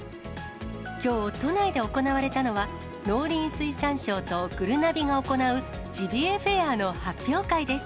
きょう、都内で行われたのは、農林水産省とぐるなびが行う、ジビエフェアの発表会です。